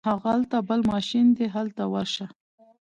هغلته بل ماشین دی هلته ورشه.